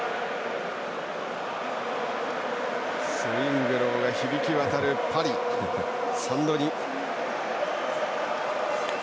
「スウィング・ロー」が響き渡るパリ・サンドニ。